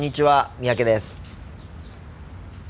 三宅です。